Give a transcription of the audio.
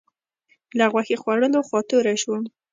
له غوښې خوړلو خوا توری شوم.